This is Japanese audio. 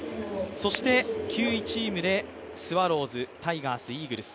そして９位チームでスワローズタイガース、イーグルス。